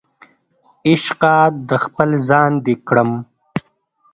عشقه د خپل ځان دې کړم